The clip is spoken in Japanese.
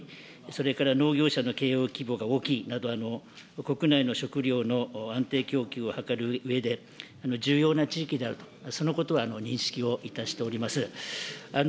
それから農業者の経営規模が大きいなど、国内の食料の安定供給を図るうえで、重要な地域であると、そのことは認識をいたしております。